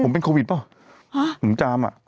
ผมเป็นโควิดหรอผมจามอ่ะ